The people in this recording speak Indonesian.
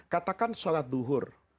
katakan sholat duhur